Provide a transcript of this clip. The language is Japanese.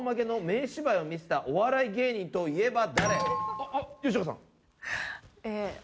「名芝居を見せたお笑い芸人といえば」